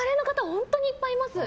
本当にいっぱいいます。